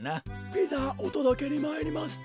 ピザおとどけにまいりました。